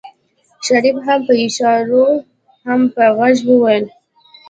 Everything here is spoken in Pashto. شريف هم په اشارو هم په غږ وويل.